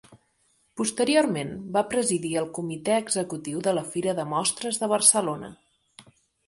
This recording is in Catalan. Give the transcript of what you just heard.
Posteriorment va presidir el comitè executiu de la Fira de Mostres de Barcelona.